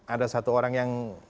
ada satu orang yang